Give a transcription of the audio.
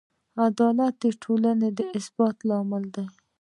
عدالت د ټولنې د ثبات لامل دی.